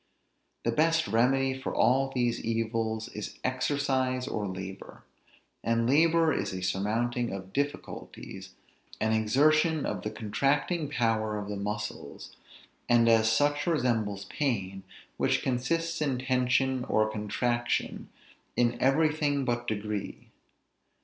The best remedy for all these evils is exercise or labor; and labor is a surmounting of difficulties, an exertion of the contracting power of the muscles; and as such resembles pain, which consists in tension or contraction, in everything but degree.